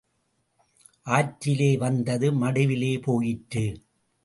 ஆற்றிலே வந்தது மடுவிலே போயிற்று.